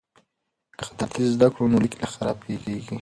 که خطاطي زده کړو نو لیک نه خرابیږي.